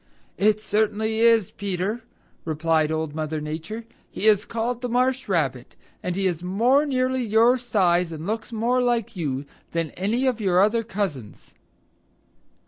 "It certainly is, Peter," replied Old Mother Nature. "He is called the Marsh Rabbit, and he is more nearly your size, and looks more like you, than any of your other cousins."